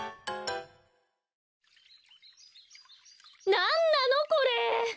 なんなのこれ！